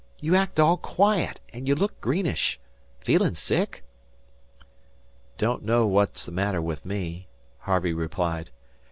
You act all quiet and you look greenish. Feelin' sick?" "Don't know what's the matter with me," Harvey implied.